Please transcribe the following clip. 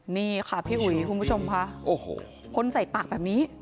นี่ค่ะพี่อุ๋ยคุณผู้ชมค่ะโอ้โหคนใส่ปากแบบนี้